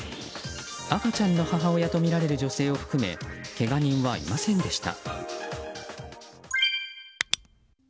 赤ちゃんの母親とみられる女性を含め、けが人はいませんでした。